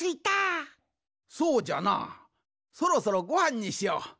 そうじゃなそろそろごはんにしよう。